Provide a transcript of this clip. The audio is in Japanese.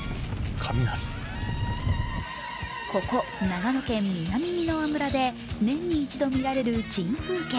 ここ長野県南箕輪村で年に一度見られる珍風景